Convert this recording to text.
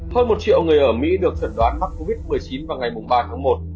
hơn một triệu người ở mỹ được chẩn đoán mắc covid một mươi chín vào ngày ba tháng một